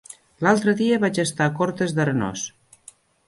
L'altre dia vaig estar a Cortes d'Arenós.